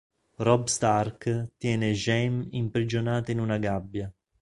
Robb Stark tiene Jaime imprigionato in una gabbia.